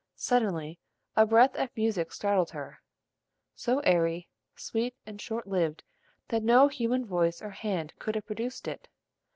Suddenly a breath of music startled her, so airy, sweet, and short lived that no human voice or hand could have produced it.